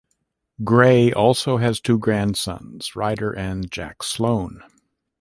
Gray also has two grandsons, Ryder and Jack Sloane.